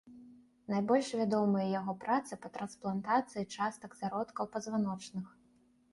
Найбольш вядомыя яго працы па трансплантацыі частак зародкаў пазваночных.